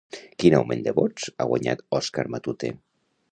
Quin augment de vots ha guanyat Oscar Matute?